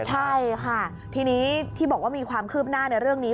ใช่ค่ะทีนี้ที่บอกว่ามีความคืบหน้าในเรื่องนี้